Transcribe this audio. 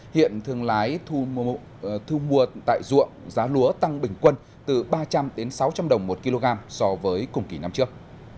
hiện thương lái thu mua tại ruộng giá lúa tăng bình quân từ ba trăm linh sáu trăm linh đồng một kg so với cùng kỳ năm trước